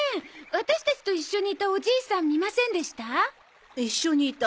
ワタシたちと一緒にいたおじいさん見ませんでした？